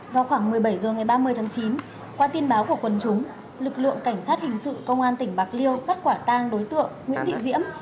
vào khoảng một mươi bảy h ngày ba mươi tháng chín qua tin báo của quân chúng lực lượng cảnh sát hình sự công an tỉnh bạc liêu bắt quả tang đối tượng nguyễn thị diễm